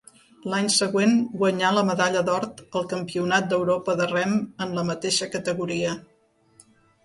L'any següent guanyà la medalla d'or al Campionat d'Europa de rem en la mateixa categoria.